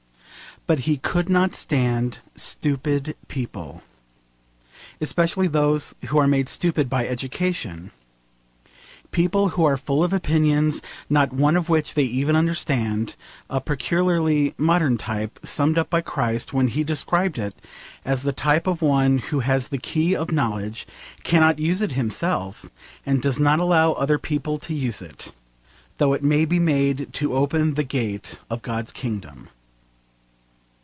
But he could not stand stupid people, especially those who are made stupid by education: people who are full of opinions not one of which they even understand, a peculiarly modern type, summed up by Christ when he describes it as the type of one who has the key of knowledge, cannot use it himself, and does not allow other people to use it, though it may be made to open the gate of God's Kingdom.